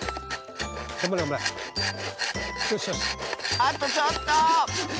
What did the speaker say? あとちょっと！